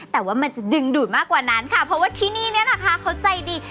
แต่ว่ามันจะดึงดูดมากกว่านั้นค่ะเพราะว่าที่นี่เนี่ยนะคะเขาใจดี